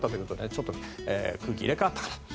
ちょっと空気が入れ替わったと。